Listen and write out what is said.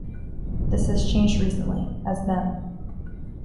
This has changed recently, as Them!